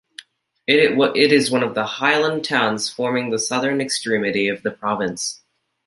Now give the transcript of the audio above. It is one of the highland towns forming the southern extremity of the province.